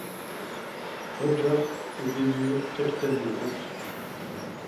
Rogers est désigné capitaine de route.